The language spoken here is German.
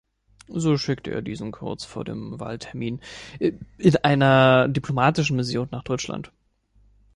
So schickte er diesen kurz vor dem Wahltermin in einer diplomatischen Mission nach Deutschland.